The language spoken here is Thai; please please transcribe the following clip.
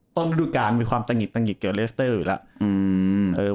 ฤดูการมีความตะหิดตะหิดเกี่ยวเลสเตอร์อยู่แล้ว